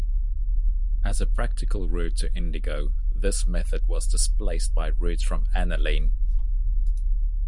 As a practical route to indigo, this method was displaced by routes from aniline.